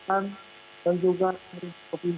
kita akan menjalankan penanganan dbd secara keseluruhan